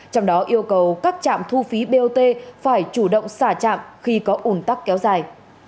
trong đó yêu cầu các trạm thu phí bot phải chủ động xả trạm khi có ủn tắc kéo dài